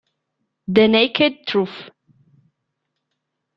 The Naked Truth